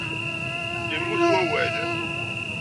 Immut wawal?